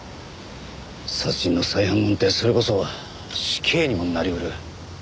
殺人の再犯なんてそれこそ死刑にもなり得る。